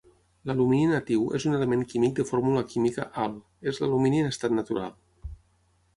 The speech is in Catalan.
L'alumini natiu és un element químic de fórmula química Al, és l'alumini en estat natural.